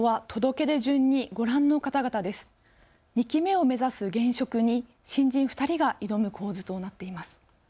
２期目を目指す現職に新人２人が挑む構図となっています。